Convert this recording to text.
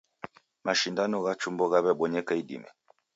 Mashindano gha chumbo ghawebonyeka idime.